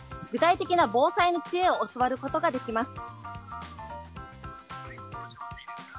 具体的な防災の知恵を教わることができます。